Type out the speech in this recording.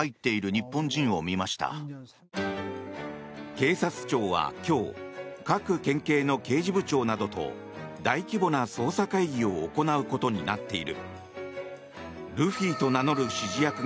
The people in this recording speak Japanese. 警察庁は今日各県警の刑事部長などと大規模な捜査会議を行うことになっている。